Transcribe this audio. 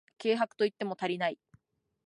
軽薄と言っても足りない